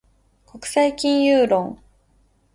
国際金融論